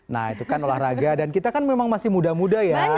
nah itu kan olahraga dan kita kan memang masih muda muda ya